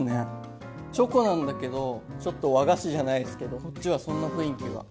チョコなんだけどちょっと和菓子じゃないですけどこっちはそんな雰囲気が。